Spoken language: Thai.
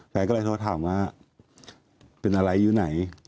แฟนก็เลยโทรถามว่าเป็นอะไรอยู่ไหน